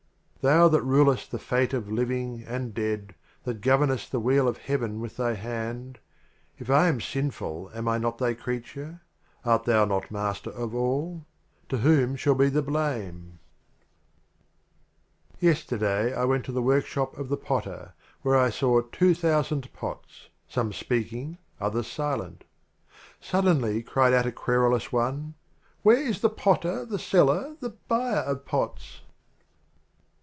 LXXXVI. Thou That rulest the Fate of Liv ing and Dead, That governest the Wheel of Heaven with Thy Hand, If I am sinful, am I not Thy Crea ture? Art Thou not Master of All? — To whom shall be the Blame? LXXXVII. Yesterday I went to the Workshop of the Potter Where I saw Two Thousand Pots, some speaking, others silent. Suddenly cried out a Querulous One, "Where is the Potter, the Seller, the Buyer of Pots?"